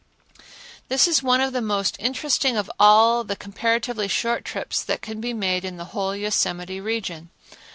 This is one of the most interesting of all the comparatively short trips that can be made in the whole Yosemite region.